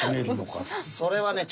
それはね